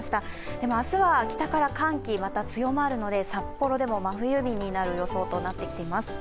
でも明日は北から寒気また強まるので札幌でも真冬日になる予想となってきています。